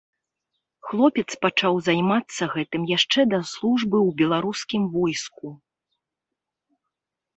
Хлопец пачаў займацца гэтым яшчэ да службы ў беларускім войску.